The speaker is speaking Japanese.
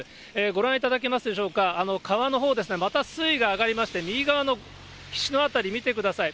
ご覧いただけますでしょうか、川のほうですね、また水位が上がりまして、右側の岸の辺り見てください。